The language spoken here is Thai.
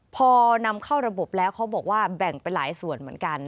พอนำเข้าระบบแล้วเขาบอกว่าแบ่งไปหลายส่วนเหมือนกัน